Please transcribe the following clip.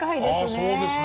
ああそうですね。